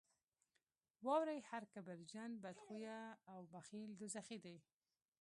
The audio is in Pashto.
واورئ هر کبرجن، بدخویه او بخیل دوزخي دي.